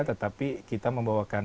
tetapi kita membawakan